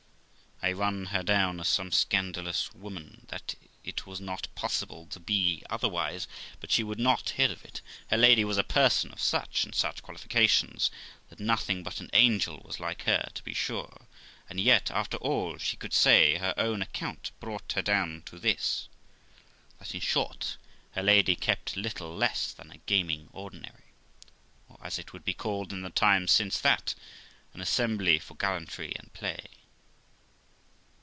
I run her 366 THE LIFE OF ROXANA down as some scandalous woman; that it was not possible to be other wise; but she would not hear of it; her lady was a person of such and such qualifications that nothing but an angel was like her, to be sure ; and yet, after all she could say, her own account brought her down to this, that, in short, her lady kept little less than a gaming ordinary; or, as it would be called in the times since that, an assembly for gallantry and play.